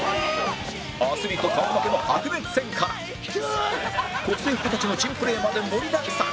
アスリート顔負けの白熱戦から個性派たちの珍プレーまで盛りだくさん